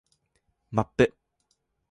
マップ